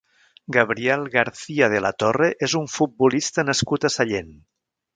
Gabriel Garcia de la Torre és un futbolista nascut a Sallent.